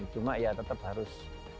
cuma ya tetap harus